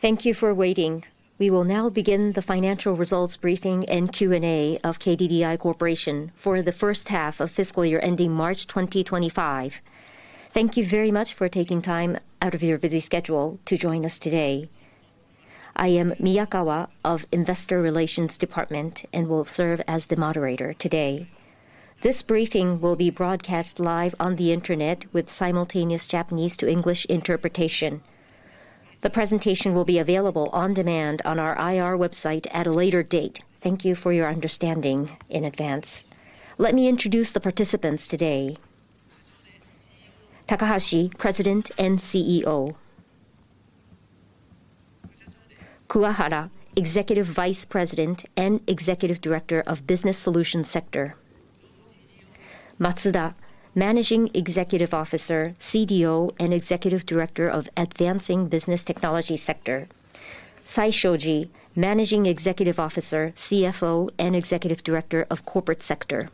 Thank you for waiting. We will now begin the Financial Results Briefing and Q&A of KDDI Corporation for the first half of FY2025 ending March. Thank you very much for taking time out of your busy schedule to join us today. I am Miyakawa of the Investor Relations Department and will serve as the moderator today. This briefing will be broadcast live on the Internet with simultaneous Japanese-to-English interpretation. The presentation will be available on demand on our IR website at a later date. Thank you for your understanding in advance. Let me introduce the participants today. Takahashi, President and CEO. Kuwahara, Executive Vice President and Executive Director of Business Solutions Sector. Matsuda, Managing Executive Officer, CDO and Executive Director of Advancing Business Technology Sector. Saijo, Managing Executive Officer, CFO and Executive Director of Corporate Sector.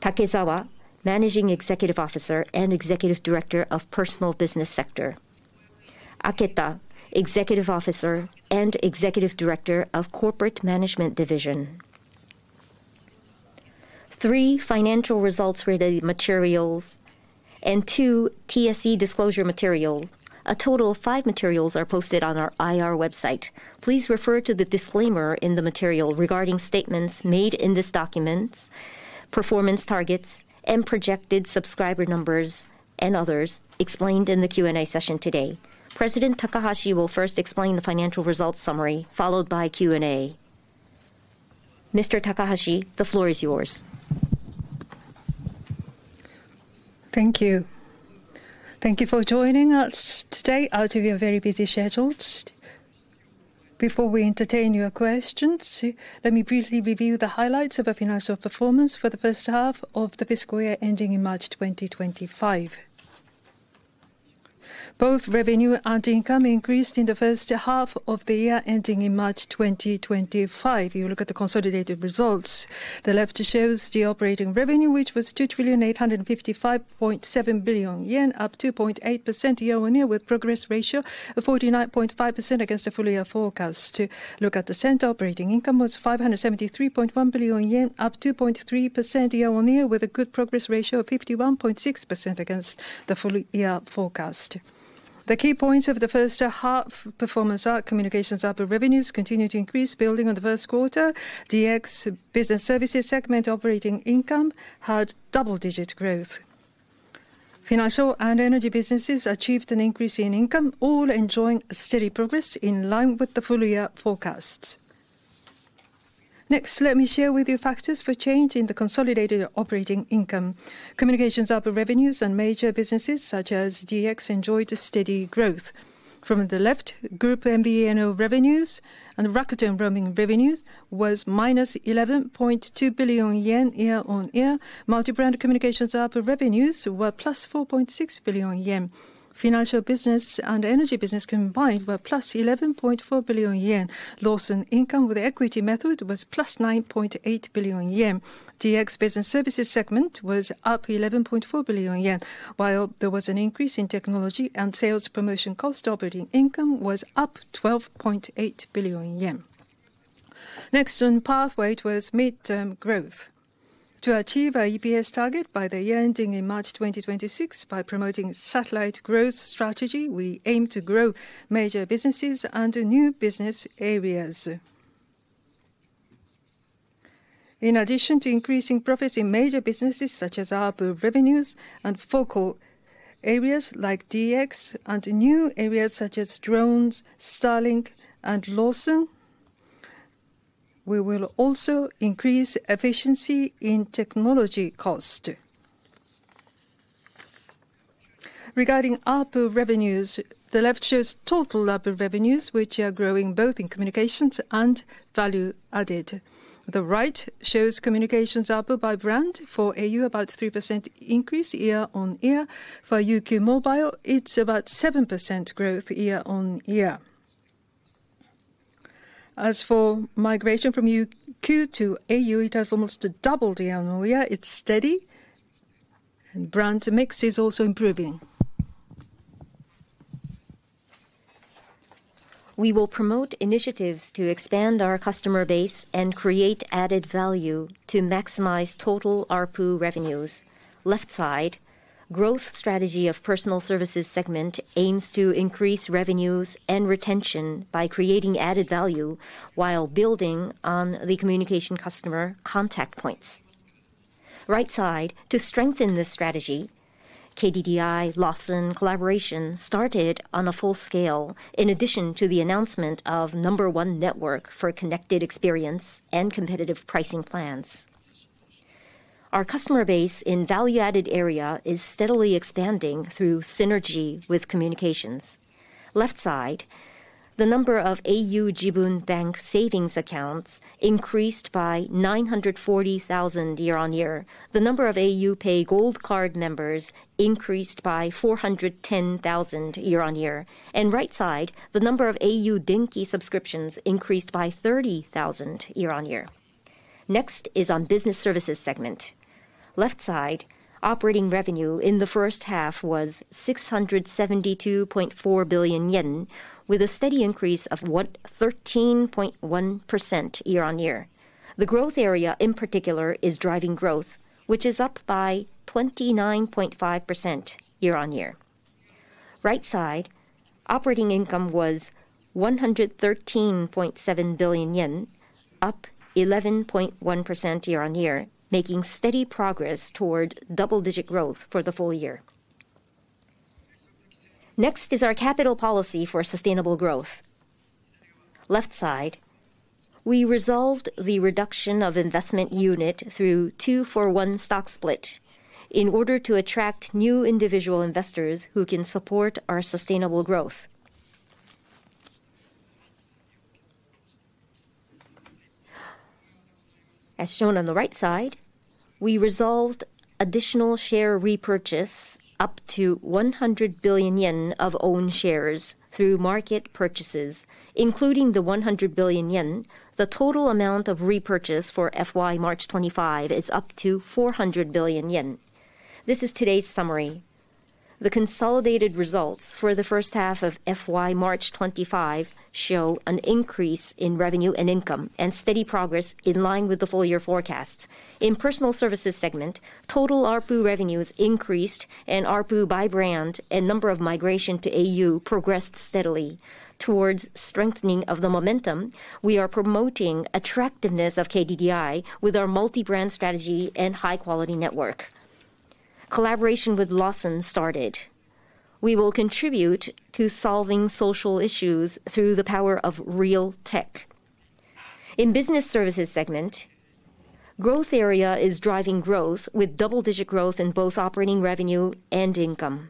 Takezawa, Managing Executive Officer and Executive Director of Personal Business Sector. Aketa, Executive Officer and Executive Director of Corporate Management Division. Three financial results-related materials and two TSE disclosure materials. A total of five materials are posted on our IR website. Please refer to the disclaimer in the material regarding statements made in these documents, performance targets, and projected subscriber numbers and others explained in the Q&A session today. President Takahashi will first explain the financial results summary, followed by Q&A. Mr. Takahashi, the floor is yours. Thank you. Thank you for joining us today out of your very busy schedules. Before we entertain your questions, let me briefly review the highlights of our financial performance for the first half of the fiscal year ending in March 2025. Both revenue and income increased in the first half of the year ending in March 2025. If you look at the consolidated results. The left shows the operating revenue, which was ¥2,855.7 billion, up 2.8% year-on-year, with a progress ratio of 49.5% against the full-year forecast. Look at the center. Operating income was ¥573.1 billion, up 2.3% year-on-year, with a good progress ratio of 51.6% against the full-year forecast. The key points of the first half performance are communications and other revenues continued to increase building on the Q1. The business services segment operating income had double-digit growth. Financial and energy businesses achieved an increase in income, all enjoying steady progress in line with the full-year forecasts. Next, let me share with you factors for change in the consolidated operating income. Communications ARPU revenues and major businesses such as DX enjoyed steady growth. From the left, Group MVNO revenues and Rakuten Roaming revenues were minus 11.2 billion yen year-on-year. Multi-brand communications ARPU revenues were plus 4.6 billion yen. Financial business and energy business combined were plus 11.4 billion yen. Loss in income with the equity method was plus 9.8 billion yen. DX business services segment was up 11.4 billion yen, while there was an increase in technology and sales promotion cost. Operating income was up 12.8 billion yen. Next on pathway, it was mid-term growth. To achieve our EPS target by the year ending in March 2026, by promoting a satellite growth strategy, we aim to grow major businesses and new business areas. In addition to increasing profits in major businesses such as ARPU revenues and focal areas like DX and new areas such as drones, Starlink, and Lawson, we will also increase efficiency in technology cost. Regarding ARPU revenues, the left shows total ARPU revenues, which are growing both in communications and value added. The right shows communications ARPU by brand for au, about a 3% increase year-on-year. For UQ mobile, it's about a 7% growth year-on-year. As for migration from UQ to au, it has almost doubled year-on-year. It's steady, and brand mix is also improving. We will promote initiatives to expand our customer base and create added value to maximize total ARPU revenues. Left side, growth strategy of the personal services segment aims to increase revenues and retention by creating added value while building on the communication customer contact points. Right side, to strengthen this strategy, KDDI Lawson collaboration started on a full scale in addition to the announcement of number one network for connected experience and competitive pricing plans. Our customer base in the value-added area is steadily expanding through synergy with communications. Left side, the number of au Jibun Bank savings accounts increased by 940,000 year-on-year. The number of au PAY Gold Card members increased by 410,000 year-on-year. And right side, the number of au DENKI subscriptions increased by 30,000 year-on-year. Next is on the business services segment. Left side, operating revenue in the first half was 672.4 billion yen, with a steady increase of 13.1% year-on-year. The growth area in particular is driving growth, which is up by 29.5% year-on-year. Right side, operating income was 113.7 billion yen, up 11.1% year-on-year, making steady progress toward double-digit growth for the full year. Next is our capital policy for sustainable growth. Left side, we resolved the reduction of investment unit through a 2-for-1 stock split in order to attract new individual investors who can support our sustainable growth. As shown on the right side, we resolved additional share repurchase, up to 100 billion yen of own shares through market purchases, including the 100 billion yen. The total amount of repurchase for FY March 2025 is up to 400 billion yen. This is today's summary. The consolidated results for the first half of March FY2025 show an increase in revenue and income and steady progress in line with the full-year forecast. In the personal services segment, total ARPU revenues increased, and ARPU by brand and number of migration to au progressed steadily. Towards strengthening of the momentum, we are promoting the attractiveness of KDDI with our multi-brand strategy and high-quality network. Collaboration with Lawson started. We will contribute to solving social issues through the power of Real Tech. In the business services segment, the growth area is driving growth with double-digit growth in both operating revenue and income.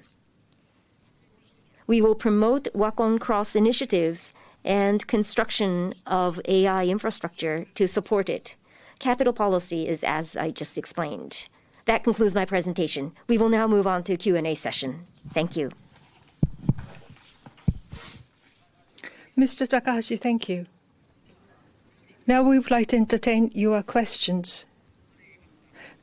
We will promote WAKONX initiatives and construction of AI infrastructure to support it. Capital policy is, as I just explained. That concludes my presentation. We will now move on to the Q&A session. Thank you. Mr. Takahashi, thank you. Now we would like to entertain your questions.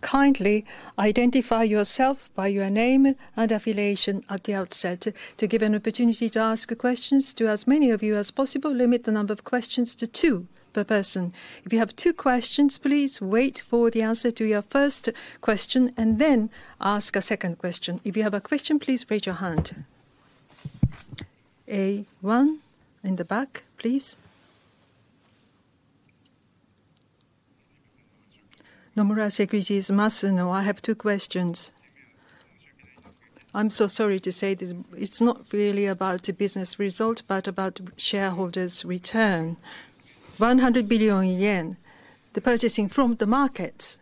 Kindly identify yourself by your name and affiliation at the outset to give an opportunity to ask questions to as many of you as possible. Limit the number of questions to two per person. If you have two questions, please wait for the answer to your first question and then ask a second question. If you have a question, please raise your hand. A1, in the back, please. Nomura Securities, Masuno. I have two questions. I'm so sorry to say it's not really about the business result, but about shareholders' return. ¥100 billion, the purchasing from the market.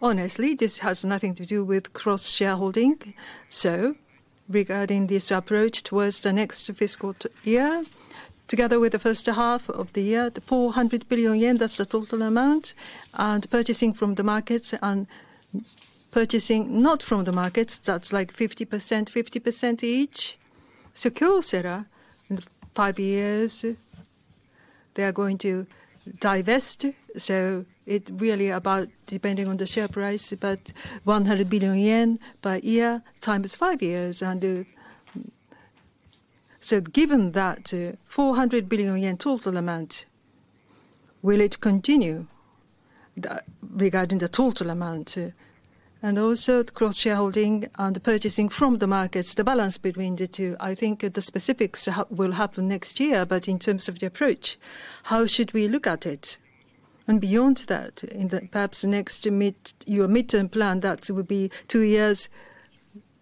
Honestly, this has nothing to do with cross-shareholding. Regarding this approach towards the next fiscal year, together with the first half of the year, the ¥400 billion, that's the total amount, and purchasing from the markets and purchasing not from the markets, that's like 50%, 50% each. Kyocera, in five years, they are going to divest. It's really about, depending on the share price, but ¥100 billion per year times five years. Given that ¥400 billion total amount, will it continue regarding the total amount? And also cross-shareholding and purchasing from the markets, the balance between the two, I think the specifics will happen next year, but in terms of the approach, how should we look at it? And beyond that, perhaps your midterm plan, that would be two years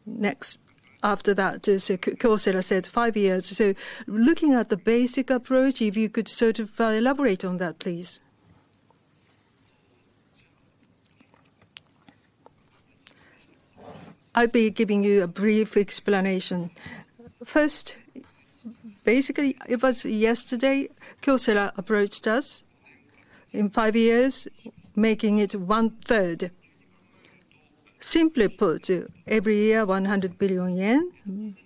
next after that. So Kyocera said five years. So looking at the basic approach, if you could sort of elaborate on that, please. I'll be giving you a brief explanation. First, basically, it was yesterday Kyocera approached us in five years, making it one-third. Simply put, every year 100 billion yen.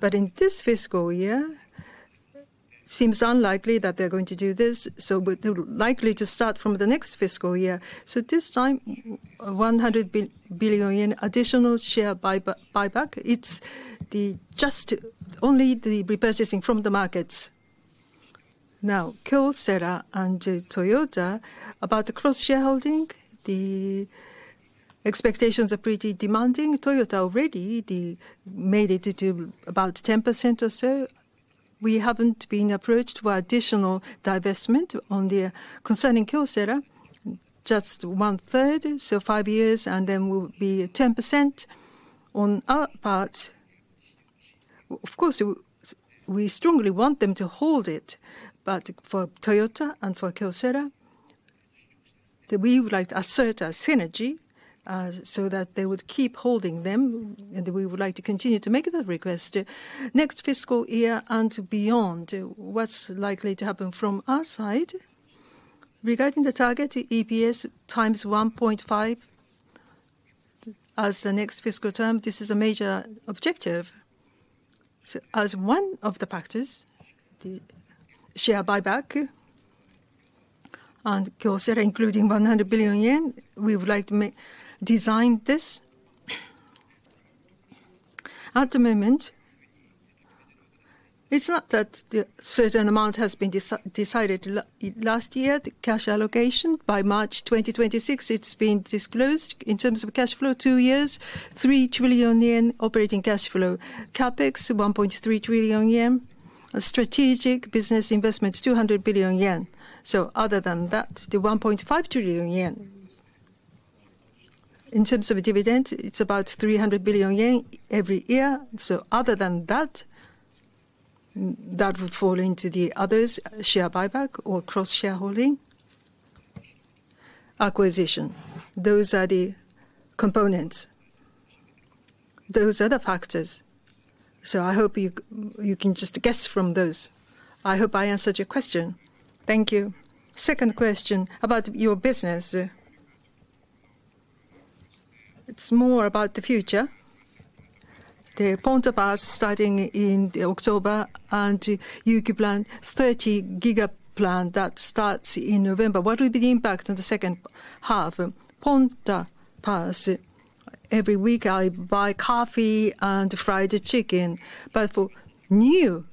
But in this fiscal year, it seems unlikely that they're going to do this, so likely to start from the next fiscal year. So this time, 100 billion yen additional share buyback, it's just only the repurchasing from the markets. Now, Kyocera and Toyota, about the cross-shareholding, the expectations are pretty demanding. Toyota already made it to about 10% or so. We haven't been approached for additional divestment on the concerning Kyocera, just one-third, so five years, and then we'll be 10% on our part. Of course, we strongly want them to hold it, but for Toyota and for Kyocera, we would like a certain synergy so that they would keep holding them, and we would like to continue to make that request. Next fiscal year and beyond, what's likely to happen from our side regarding the target, EPS times 1.5 as the next fiscal term. This is a major objective. As one of the factors, the share buyback and Kyocera including ¥100 billion, we would like to design this. At the moment, it's not that a certain amount has been decided last year, the cash allocation. By March 2026, it's been disclosed. In terms of cash flow, two years, ¥3 trillion operating cash flow. CapEx, ¥1.3 trillion. Strategic business investment, ¥200 billion. So other than that, the ¥1.5 trillion. In terms of dividend, it's about ¥300 billion every year. So other than that, that would fall into the others, share buyback or cross-shareholding acquisition. Those are the components. Those are the factors. So I hope you can just guess from those. I hope I answered your question. Thank you. Second question about your business. It's more about the future. The Ponta Pass starting in October and UQ Plan, 30-giga plan that starts in November. What will be the impact on the second half? Ponta Pass, every week I buy coffee and fried chicken, but for new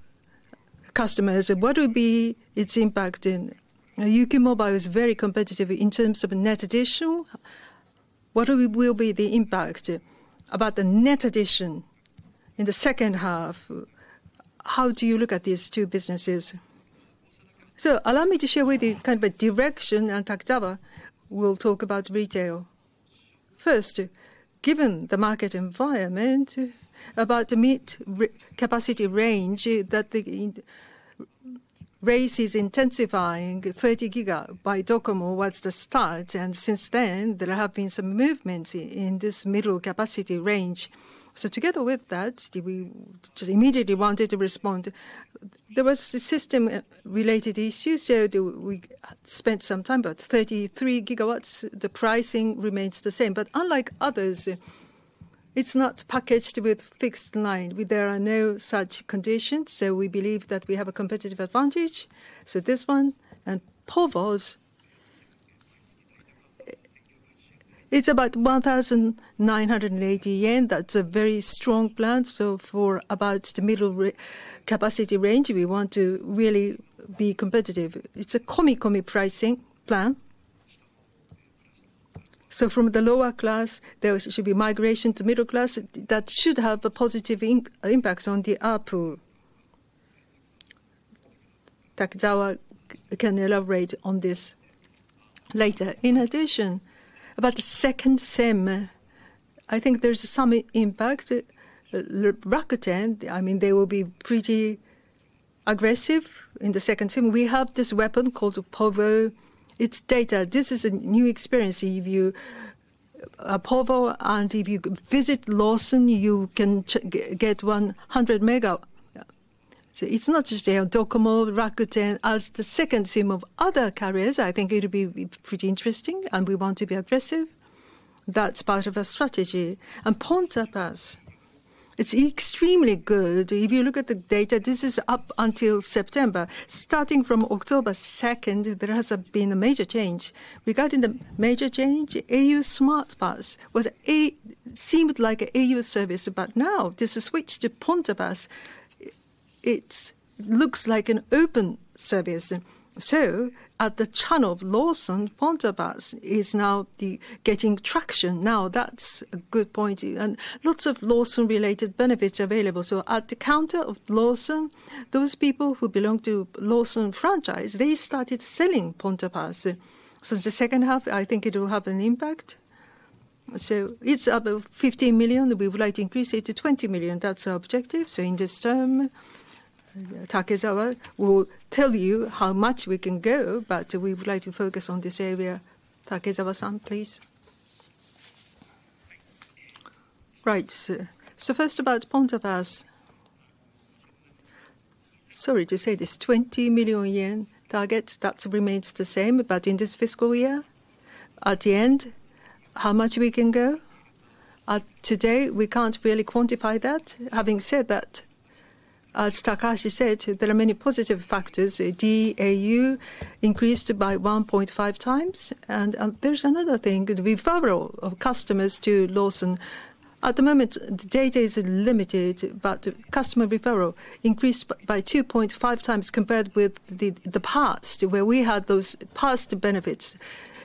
customers, what will be its impact? UQ mobile is very competitive in terms of net addition. What will be the impact about the net addition in the second half? How do you look at these two businesses? Allow me to share with you kind of a direction and Takezawa, we'll talk about retail. First, given the market environment, about the mid-capacity range that race is intensifying, 30-giga plan by Docomo was the start, and since then, there have been some movements in this middle capacity range. Together with that, we just immediately wanted to respond. There was a system-related issue, so we spent some time, but 33 gigabytes, the pricing remains the same. But unlike others, it's not packaged with fixed line. There are no such conditions, so we believe that we have a competitive advantage. So this one, and povo's, it's about 1,980 yen. That's a very strong plan. So for about the middle capacity range, we want to really be competitive. It's a Komi-komi pricing plan. So from the lower class, there should be migration to middle class. That should have a positive impact on the output. Takahashi can elaborate on this later. In addition, about the second sem, I think there's some impact. Rakuten, I mean, they will be pretty aggressive in the second sem. We have this weapon called povo. It's data. This is a new experience. If you are povo and if you visit Lawson, you can get 100 mega. It's not just Docomo, Rakuten. As the second half of other carriers, I think it will be pretty interesting, and we want to be aggressive. That's part of our strategy. And Ponta Pass, it's extremely good. If you look at the data, this is up until September. Starting from October 2, there has been a major change. Regarding the major change, au Smart Pass seemed like an au service, but now this is switched to Ponta Pass. It looks like an open service. So at the channel of Lawson, Ponta Pass is now getting traction. Now that's a good point. And lots of Lawson-related benefits available. So at the counter of Lawson, those people who belong to Lawson franchise, they started selling Ponta Pass. So the second half, I think it will have an impact. So it's about 15 million. We would like to increase it to 20 million. That's our objective. So in this term, Takezawa will tell you how much we can go, but we would like to focus on this area. Takezawa-san, please. Right. So first about Ponta Pass. Sorry to say this, 20 million yen target, that remains the same, but in this fiscal year, at the end, how much we can go? Today, we can't really quantify that. Having said that, as Takahashi said, there are many positive factors. DAU increased by 1.5 times. And there's another thing, referral of customers to Lawson. At the moment, the data is limited, but customer referral increased by 2.5 times compared with the past, where we had those past benefits.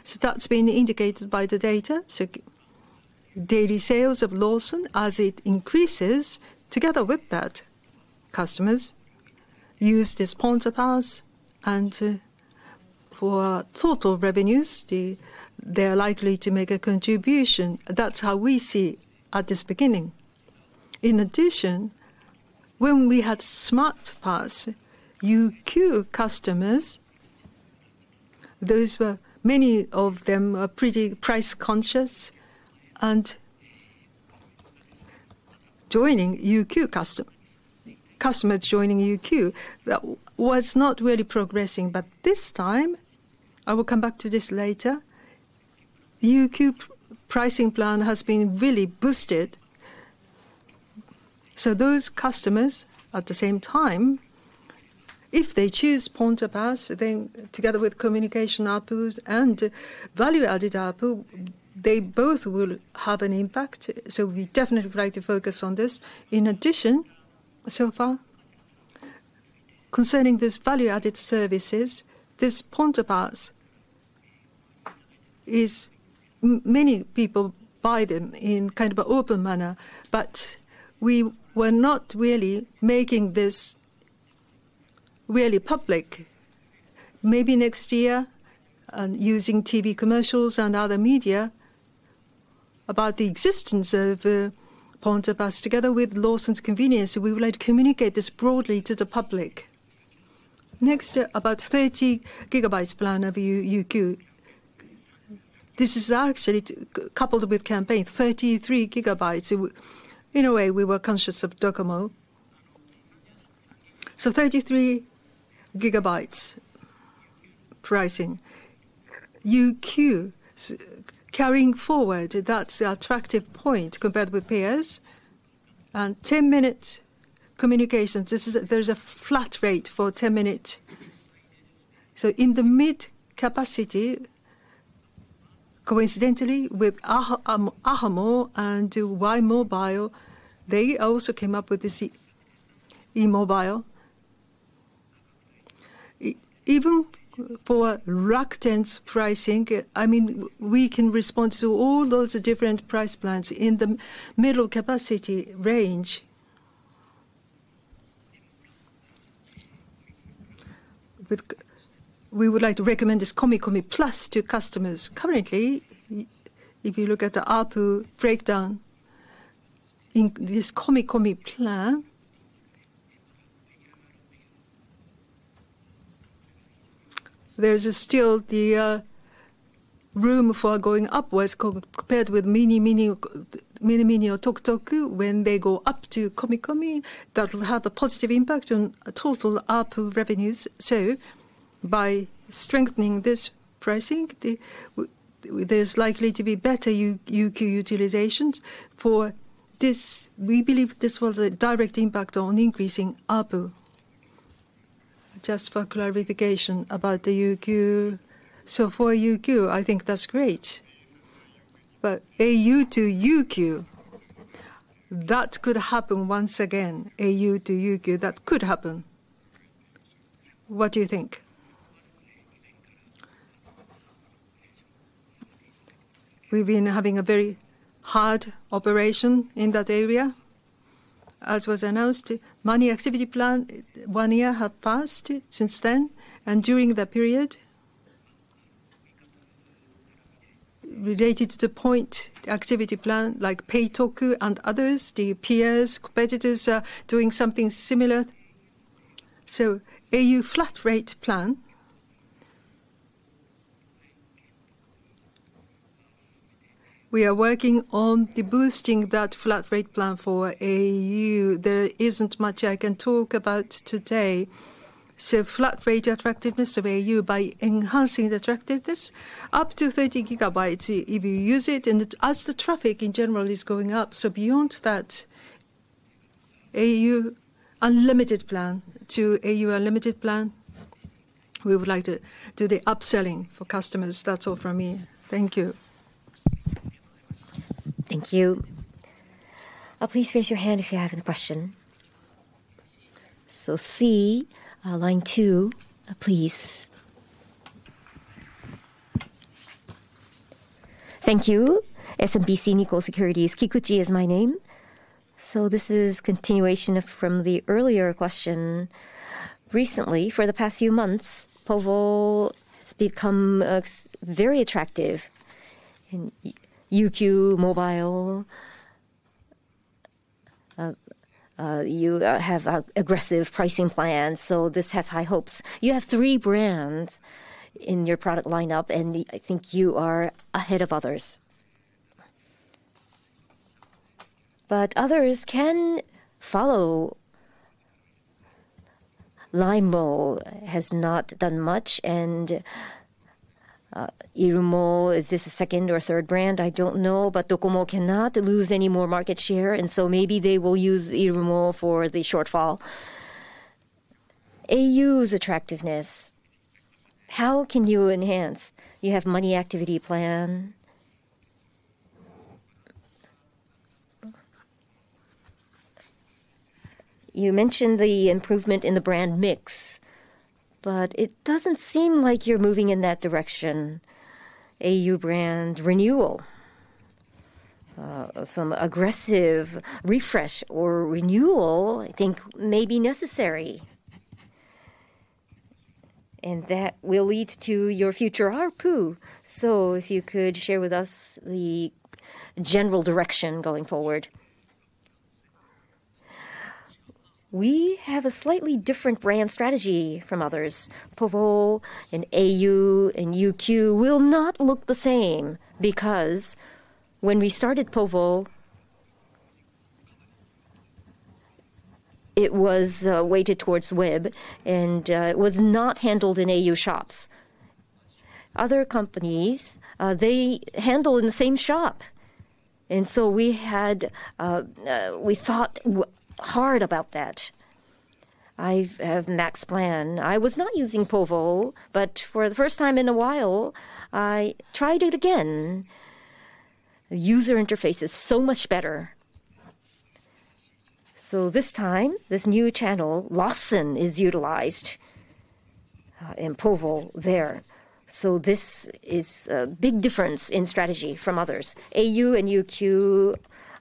So that's been indicated by the data. So daily sales of Lawson, as it increases, together with that, customers use this Ponta Pass. And for total revenues, they are likely to make a contribution. That's how we see at this beginning. In addition, when we had Smart Pass, UQ customers, many of them were pretty price-conscious. And joining UQ customers, joining UQ was not really progressing. But this time, I will come back to this later, UQ pricing plan has been really boosted. So those customers, at the same time, if they choose Ponta Pass, then together with communication output and value-added output, they both will have an impact. So we definitely would like to focus on this. In addition, so far, concerning this value-added services, this Ponta Pass, many people buy them in kind of an open manner, but we were not really making this really public. Maybe next year, using TV commercials and other media about the existence of Ponta Pass together with Lawson's convenience, we would like to communicate this broadly to the public. Next, about 30-gigabyte plan of UQ. This is actually coupled with campaign, 33-gigabyte. In a way, we were conscious of Docomo. So 33-gigabyte pricing. UQ carrying forward, that's an attractive point compared with peers. And 10-minute communications, there's a flat rate for 10-minute. So in the mid-capacity, coincidentally with ahamo and Y!mobile, they also came up with this LINEMO. Even for Rakuten's pricing, I mean, we can respond to all those different price plans in the middle capacity range. We would like to recommend this Komi-komi Plus to customers. Currently, if you look at the ARPU breakdown in this Komi-komi plan, there's still the room for going upwards compared with Mini-mini or Toku-toku. When they go up to Komi-komi, that will have a positive impact on total output revenues. So by strengthening this pricing, there's likely to be better UQ utilization for this. We believe this was a direct impact on increasing output. Just for clarification about the UQ. So for UQ, I think that's great. But au to UQ, that could happen once again. au to UQ, that could happen. What do you think? We've been having a very hard operation in that area. As was announced, many activity plans, one year have passed since then, and during that period, related to the Ponta, activity plan like Pay-Toku and others, the peers, competitors are doing something similar. So au flat rate plan. We are working on the boosting that flat rate plan for au. There isn't much I can talk about today. So flat rate attractiveness of au by enhancing the attractiveness up to 30 gigabytes if you use it, and as the traffic in general is going up. So beyond that, au unlimited plan to au unlimited plan. We would like to do the upselling for customers. That's all from me. Thank you. Please raise your hand if you have a question. So C, line two, please. Thank you. SMBC Nikko Securities, Kikuchi is my name. So this is continuation from the earlier question. Recently, for the past few months, povo has become very attractive. UQ mobile, you have aggressive pricing plans, so this has high hopes. You have three brands in your product lineup, and I think you are ahead of others. But others can follow. LINEMO has not done much, and irumo, is this a second or third brand? I don't know, but Docomo cannot lose any more market share, and so maybe they will use irumo for the shortfall. au's attractiveness, how can you enhance? You have many activity plans. You mentioned the improvement in the brand mix, but it doesn't seem like you're moving in that direction. au brand renewal, some aggressive refresh or renewal, I think may be necessary. And that will lead to your future output. So if you could share with us the general direction going forward. We have a slightly different brand strategy from others. povo and au and UQ will not look the same because when we started povo, it was weighted towards web, and it was not handled in au shops. Other companies, they handle in the same shop. And so we thought hard about that. I have Max Plan. I was not using povo, but for the first time in a while, I tried it again. User interface is so much better. So this time, this new channel, Lawson, is utilized in povo there. So this is a big difference in strategy from others. au and UQ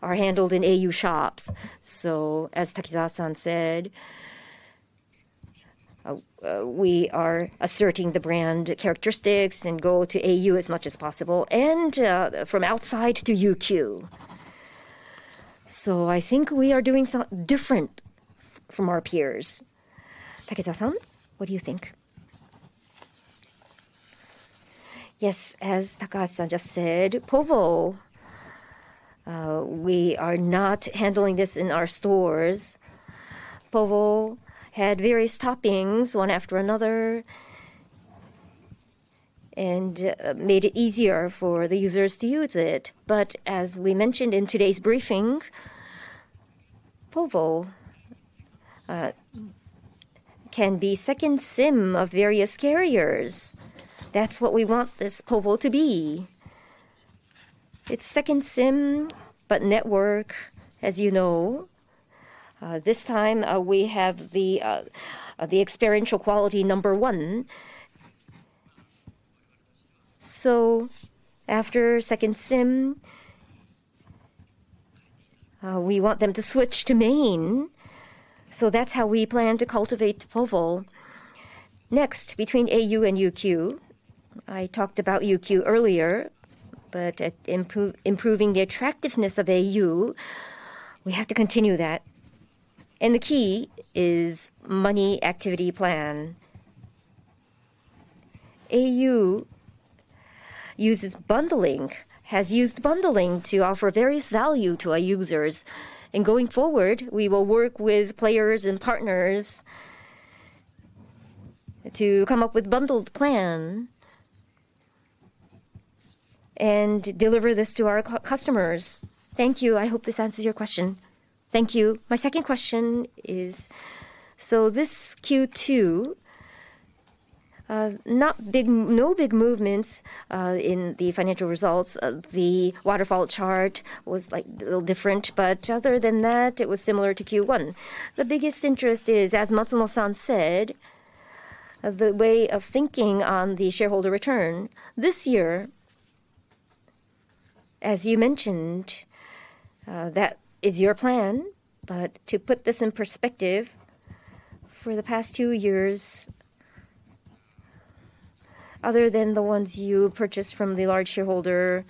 are handled in au shops. So as Takahashi said, we are asserting the brand characteristics and go to au as much as possible and from outside to UQ. So I think we are doing something different from our peers. Takezawa, what do you think? Yes, as Takahashi just said, povo, we are not handling this in our stores. Povo had various toppings one after another and made it easier for the users to use it. But as we mentioned in today's briefing, povo can be second sim of various carriers. That's what we want this povo to be. It's second sim, but network, as you know. This time, we have the experience quality number one. So after second sim, we want them to switch to main. So that's how we plan to cultivate povo. Next, between au and UQ, I talked about UQ earlier, but improving the attractiveness of au, we have to continue that. The key is Money Activity Plan. au uses bundling, has used bundling to offer various value to our users. Going forward, we will work with players and partners to come up with bundled plans and deliver this to our customers. Thank you. I hope this answers your question. Thank you. My second question is, so this Q2, no big movements in the financial results. The waterfall chart was a little different, but other than that, it was similar to Q1. The biggest interest is, as Matsuda-san said, the way of thinking on the shareholder return this year. As you mentioned, that is your plan, but to put this in perspective, for the past two years, other than the ones you purchased from the large shareholder,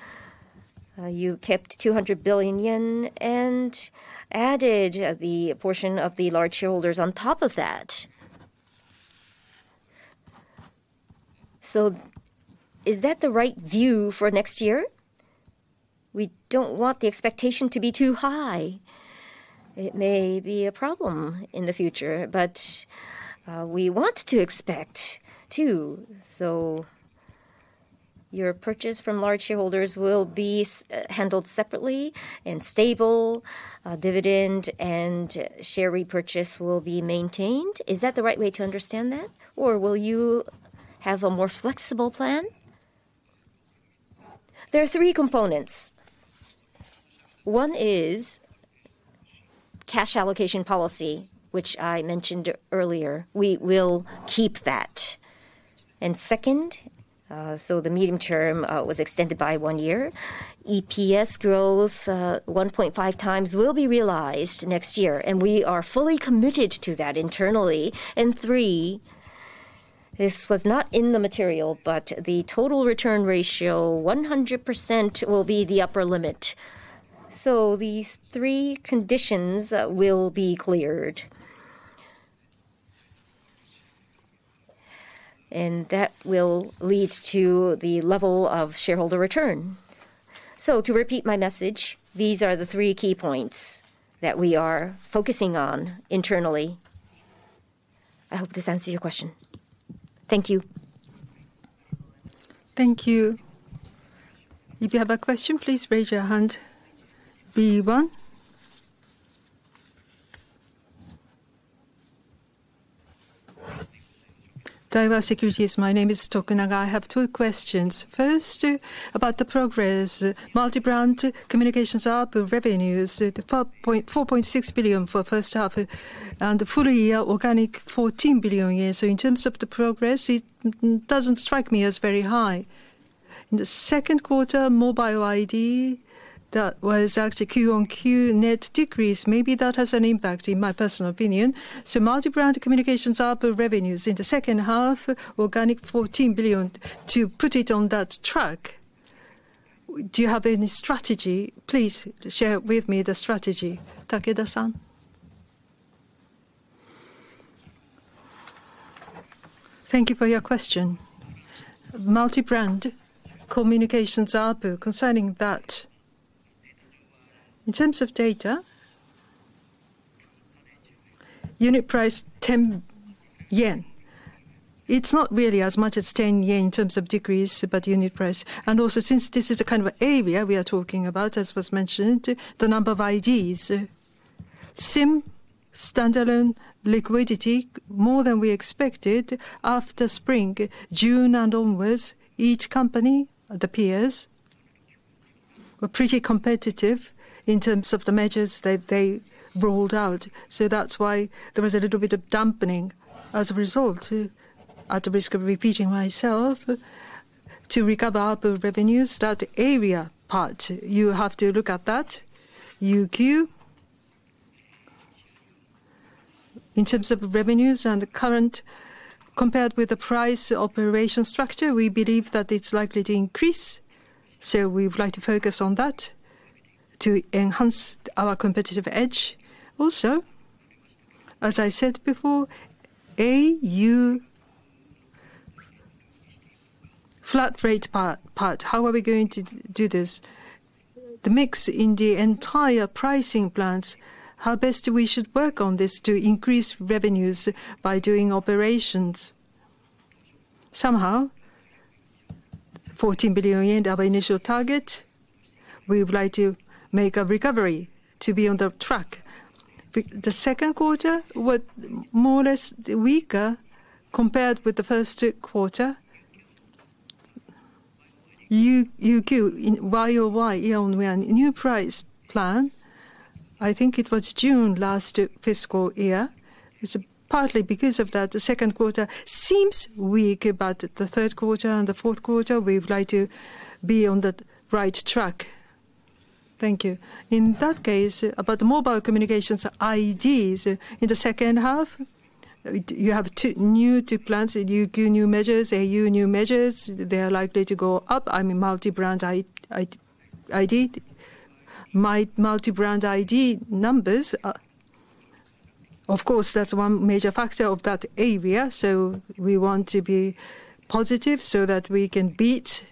you kept ¥200 billion and added the portion of the large shareholders on top of that. Is that the right view for next year? We don't want the expectation to be too high. It may be a problem in the future, but we want to expect too. So your purchase from large shareholders will be handled separately and stable. Dividend and share repurchase will be maintained. Is that the right way to understand that? Or will you have a more flexible plan? There are three components. One is cash allocation policy, which I mentioned earlier. We will keep that. And second, so the medium term was extended by one year. EPS growth 1.5 times will be realized next year, and we are fully committed to that internally. And three, this was not in the material, but the total return ratio 100% will be the upper limit. So these three conditions will be cleared. And that will lead to the level of shareholder return. So to repeat my message, these are the three key points that we are focusing on internally. I hope this answers your question. Thank you. Thank you. If you have a question, please raise your hand. Daiwa Securities, my name is Tokunaga. I have two questions. First, about the progress, multi-brand communications output revenues, 4.6 billion for first half and full year outlook 14 billion. So in terms of the progress, it doesn't strike me as very high. In the Q2, mobile ID, that was actually QoQ net decrease. Maybe that has an impact in my personal opinion. So multi-brand communications output revenues in the second half, outlook 14 billion to put it on that track. Do you have any strategy? Please share with me the strategy, Takezawa-san. Thank you for your question. Multi-brand communications output concerning that. In terms of data, unit price 10 yen. It's not really as much as 10 yen in terms of decrease, but unit price. And also, since this is the kind of area we are talking about, as was mentioned, the number of IDs, SIM, standalone liquidity, more than we expected after spring, June and onwards, each company, the peers, were pretty competitive in terms of the measures that they rolled out. So that's why there was a little bit of dampening as a result. At the risk of repeating myself, to recover output revenues. That area part, you have to look at that. UQ. In terms of revenues and current, compared with the price operation structure, we believe that it's likely to increase. So we would like to focus on that to enhance our competitive edge. Also, as I said before, au flat rate part, how are we going to do this? The mix in the entire pricing plans, how best we should work on this to increase revenues by doing operations. Somehow, ¥14 billion our initial target. We would like to make a recovery to be on the track. The Q2 was more or less weaker compared with the Q1. UQ, YoY, younger new price plan. I think it was June last fiscal year. It's partly because of that the Q2 seems weak, but the Q3 and the Q4, we would like to be on the right track. Thank you. In that case, about mobile communications IDs in the second half, you have new two plans, UQ new measures, au new measures. They are likely to go up. I mean, multi-brand ID, multi-brand ID numbers. Of course, that's one major factor of that area. So we want to be positive so that we can beat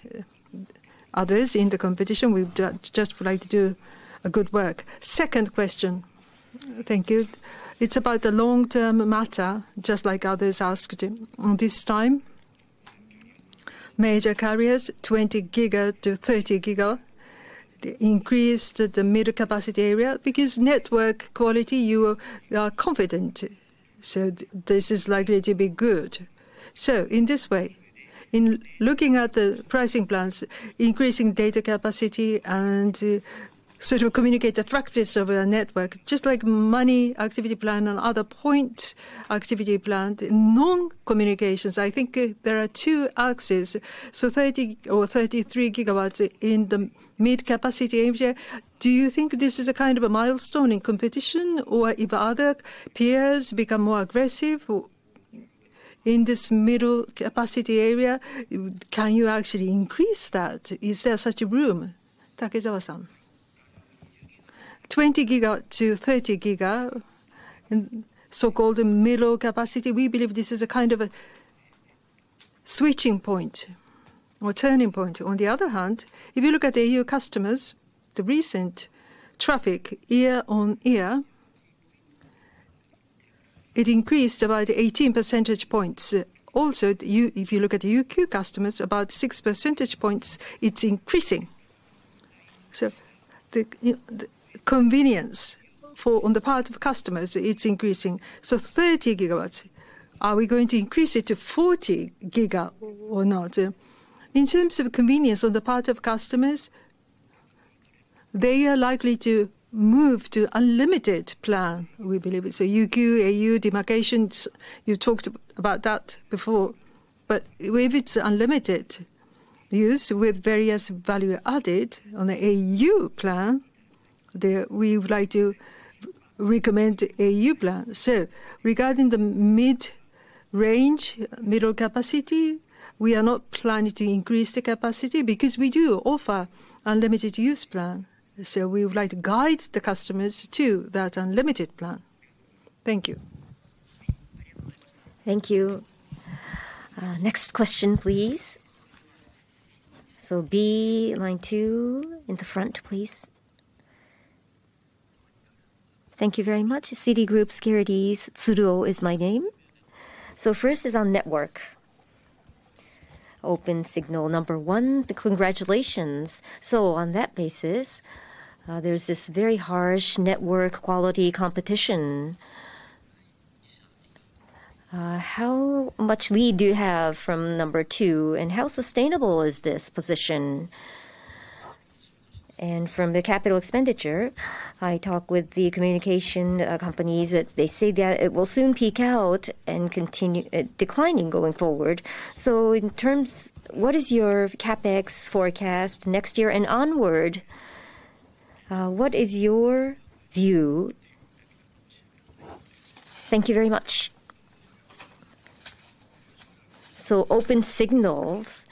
others in the competition. We just would like to do a good work. Second question. Thank you. It's about the long-term matter, just like others asked this time. Major carriers, 20 gig to 30 gig increased the middle capacity area because network quality, you are confident. So this is likely to be good. So in this way, in looking at the pricing plans, increasing data capacity and sort of communicate the practice of our network, just like money activity plan and other point activity plan, non-communications. I think there are two axes, 30 or 33 gigs in the mid-capacity area. Do you think this is a kind of a milestone in competition, or if other peers become more aggressive in this middle capacity area, can you actually increase that? Is there such a room? Takezawa-san. 20 gig to 30 giga, so-called middle capacity. We believe this is a kind of a switching point or turning point. On the other hand, if you look at the au customers, the recent traffic year on year, it increased about 18 percentage points. Also, if you look at the UQ customers, about 6 percentage points, it's increasing. So the convenience on the part of customers, it's increasing. So 30 giga, are we going to increase it to 40 gig or not? In terms of convenience on the part of customers, they are likely to move to unlimited plan, we believe. So UQ, au, demarcations, you talked about that before. But if it's unlimited use with various value added on the au plan, we would like to recommend au plan. Regarding the mid-range, middle capacity, we are not planning to increase the capacity because we do offer unlimited use plan. We would like to guide the customers to that unlimited plan. Thank you. Thank you. Next question, please. B line two in the front, please. Thank you very much. Citigroup Global Markets Japan, Mitsunobu Tsuruo is my name. First is on network. Opensignal number one. Congratulations. On that basis, there's this very harsh network quality competition. How much lead do you have from number two? And how sustainable is this position? And from the capital expenditure, I talked with the communication companies that they say that it will soon peak out and continue declining going forward. In terms, what is your CapEx forecast next year and onward? What is your view? Thank you very much. Opensignal's.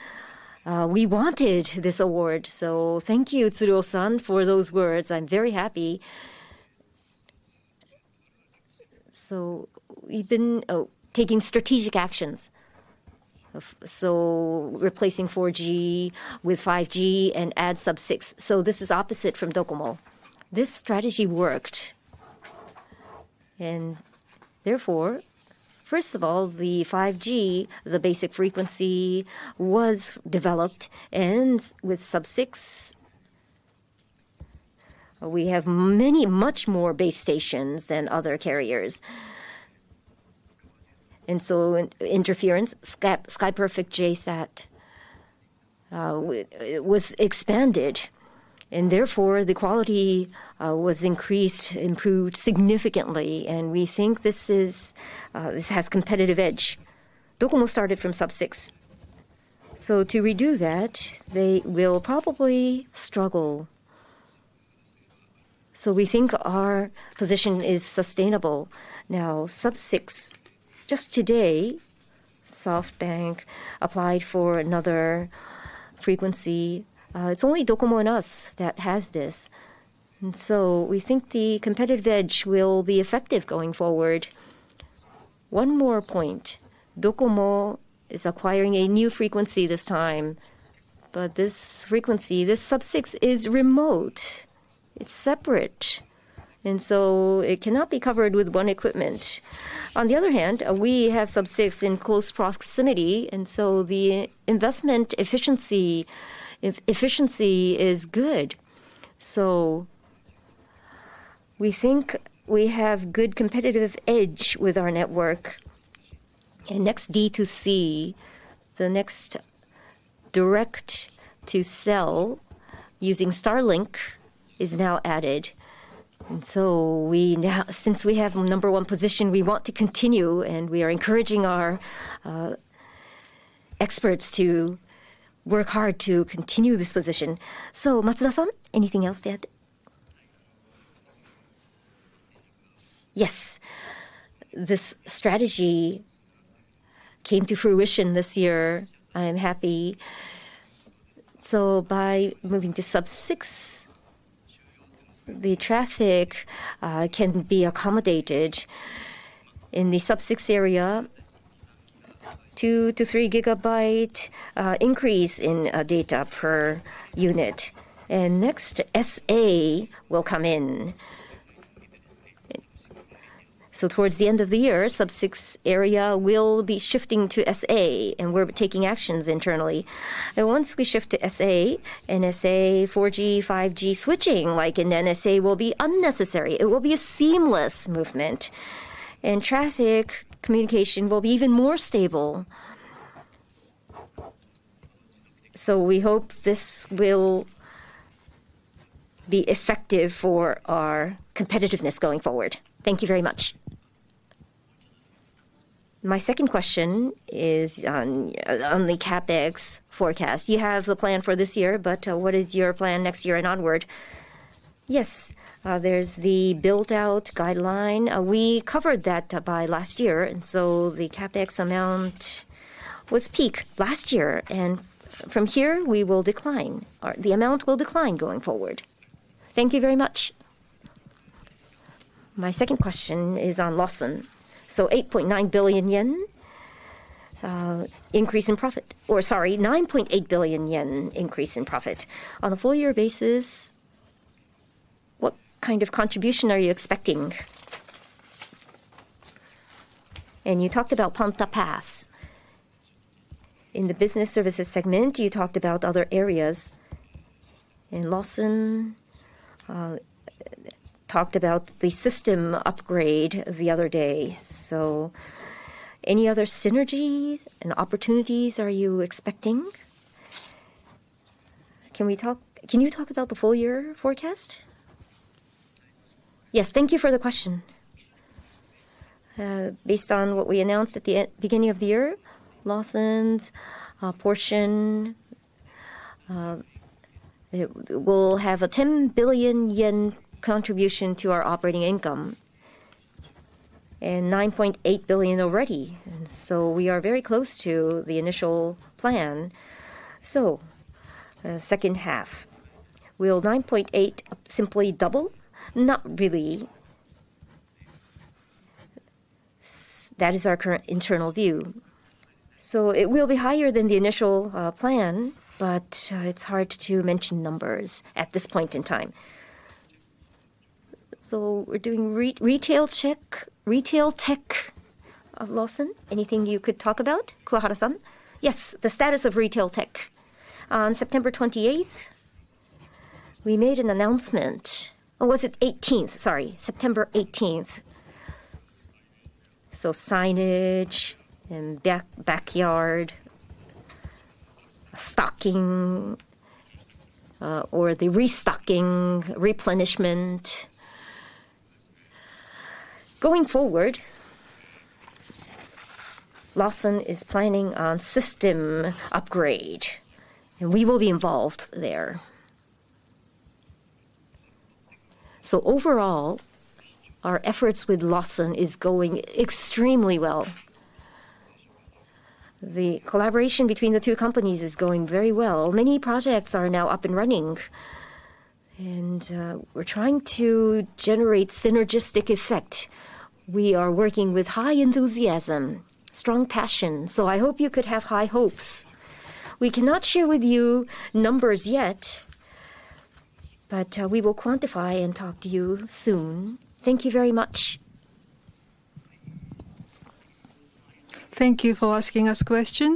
We wanted this award. Thank you, Tsuruo-san, for those words. I'm very happy. We've been taking strategic actions. Replacing 4G with 5G and add Sub-6. This is opposite from Docomo. This strategy worked. Therefore, first of all, the 5G, the basic frequency was developed. With Sub-6, we have many much more base stations than other carriers. Interference, SKY Perfect JSAT was expanded. Therefore, the quality was increased, improved significantly. We think this has competitive edge. Docomo started from Sub-6. To redo that, they will probably struggle. We think our position is sustainable. Sub-6, just today, SoftBank applied for another frequency. It's only Docomo and us that has this. We think the competitive edge will be effective going forward. One more point. Docomo is acquiring a new frequency this time. But this frequency, this Sub-6 is remote. It's separate. And so it cannot be covered with one equipment. On the other hand, we have Sub-6 in close proximity. And so the investment efficiency is good. So we think we have good competitive edge with our network. And next D2C, the next direct to cell using Starlink is now added. And so since we have number one position, we want to continue. And we are encouraging our experts to work hard to continue this position. So Matsuda, anything else to add? Yes. This strategy came to fruition this year. I am happy. So by moving to Sub-6, the traffic can be accommodated in the Sub-6 area, two to three gigabyte increase in data per unit. And next, SA will come in. So towards the end of the year, Sub-6 area will be shifting to SA. And we're taking actions internally. Once we shift to SA, NSA 4G, 5G switching, like in NSA, will be unnecessary. It will be a seamless movement. And traffic communication will be even more stable. So we hope this will be effective for our competitiveness going forward. Thank you very much. My second question is on the CapEx forecast. You have the plan for this year, but what is your plan next year and onward? Yes. There is the built-out guideline. We covered that by last year. And so the CapEx amount was peak last year. And from here, we will decline. The amount will decline going forward. Thank you very much. My second question is on Lawson. So 8.9 billion yen increase in profit. Or sorry, 9.8 billion yen increase in profit. On a four-year basis, what kind of contribution are you expecting? And you talked about Ponta Pass. In the business services segment, you talked about other areas. And Lawson talked about the system upgrade the other day. So any other synergies and opportunities are you expecting? Can you talk about the full-year forecast? Yes, thank you for the question. Based on what we announced at the beginning of the year, Lawson's portion will have a 10 billion yen contribution to our operating income and 9.8 billion already. And so we are very close to the initial plan. So second half, will 9.8 simply double? Not really. That is our current internal view. So it will be higher than the initial plan, but it's hard to mention numbers at this point in time. So we're doing Real Tech of Lawson. Anything you could talk about? Kuwahara-san. Yes, the status of Real Tech. On September 28th, we made an announcement. Oh, was it 18th? Sorry, September 18th. So, signage and backyard stocking, or the restocking, replenishment. Going forward, Lawson is planning on system upgrade, and we will be involved there. Overall, our efforts with Lawson are going extremely well. The collaboration between the two companies is going very well. Many projects are now up and running, and we're trying to generate synergistic effect. We are working with high enthusiasm, strong passion. I hope you could have high hopes. We cannot share with you numbers yet, but we will quantify and talk to you soon. Thank you very much. Thank you for asking us questions.